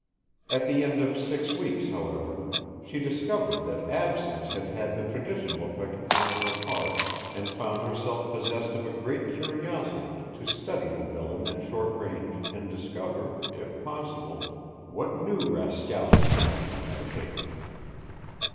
At the end of six weeks, however, she discovered that absence had had the traditional effect upon her heart and found herself possessed of a great curiosity to study the villain at short range and discover, if possible, what new rascality he might be meditating.